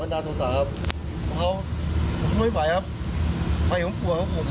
ไม่ได้เล่นหรอ